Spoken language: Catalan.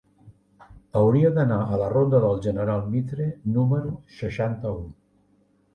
Hauria d'anar a la ronda del General Mitre número seixanta-u.